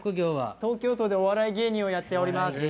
東京都でお笑い芸人やってます。